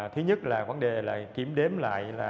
thứ nhất là vấn đề là kiểm đếm lại